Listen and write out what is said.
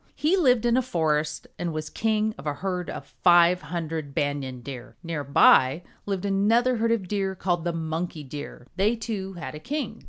He lived in a forest and was king of a herd of five hundred Banyan Deer. Near by lived another herd of Deer, called the Monkey Deer. They, too, had a king.